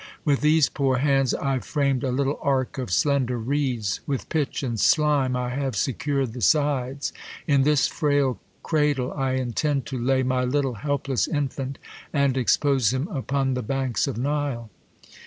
With these poor hands I've fram'd a little ark of slender reeds ! With pitch and slime I have secur'd the sides. In this frail cradle I intend to lay My little helpless infant, and expose him Upon the banks of Nile.